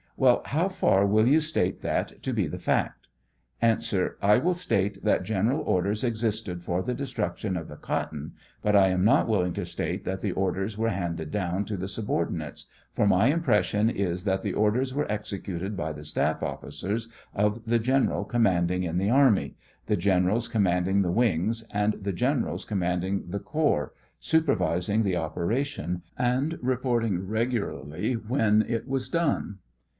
Well, how far will you state that to be the fact ? A. I will state that general orders existed for the destruction of the cotton, but I am not willing to state that the orders were handed down to the subordinates, for my impression is that the orders were executed bj the staff officers of the General commanding in the army, the Generals commanding the, wings, and the Generals commanding the corps, supervising the opera tion and reporting regularly when it was done.